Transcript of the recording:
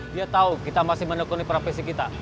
dia tahu kita masih menekuni profesi kita